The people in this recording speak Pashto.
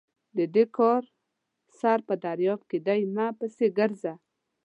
د دې کار سر په درياب کې دی؛ مه پسې ګرځه!